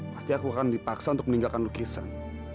pasti aku akan dipaksa untuk meninggalkan lukisan